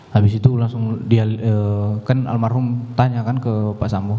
habis itu langsung dia kan almarhum tanya kan ke pak sambo